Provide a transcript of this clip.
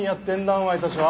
お前たちは。